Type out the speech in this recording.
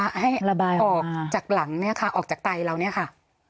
ก็คือต่อออกจากหลังออกจากไตล์เรา